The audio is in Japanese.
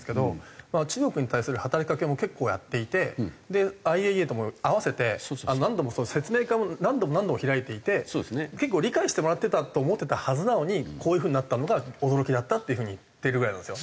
中国に対する働きかけも結構やっていてＩＡＥＡとも併せて何度も説明会も何度も何度も開いていて結構理解してもらってたと思ってたはずなのにこういう風になったのが驚きだったっていう風に言ってるぐらいなんですよ。